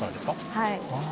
はい。